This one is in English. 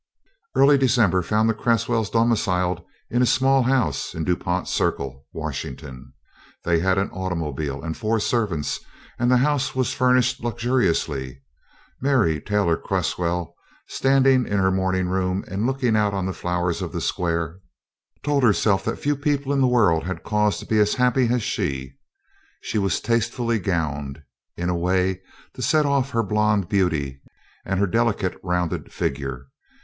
Early December found the Cresswells domiciled in a small house in Du Pont Circle, Washington. They had an automobile and four servants, and the house was furnished luxuriously. Mary Taylor Cresswell, standing in her morning room and looking out on the flowers of the square, told herself that few people in the world had cause to be as happy as she. She was tastefully gowned, in a way to set off her blonde beauty and her delicate rounded figure.